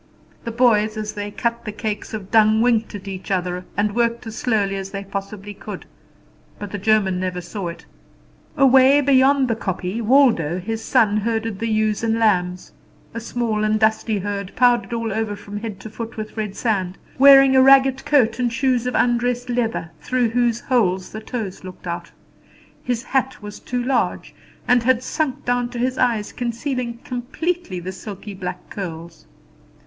The boys, as they cut the cakes of dung, winked at each other, and worked as slowly as they possibly could; but the German never saw it. Away, beyond the kopje, Waldo his son herded the ewes and lambs a small and dusty herd powdered all over from head to foot with red sand, wearing a ragged coat and shoes of undressed leather, through whose holes the toes looked out. His hat was too large, and had sunk down to his eyes, concealing completely the silky black curls.